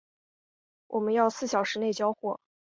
我们要四小时内交货